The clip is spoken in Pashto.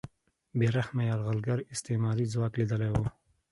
بې رحمه یرغلګر استعماري ځواک لیدلی و